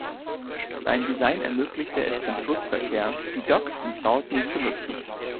Sein Design ermöglichte es dem Flussverkehr, die Docks in Saltney zu nutzen.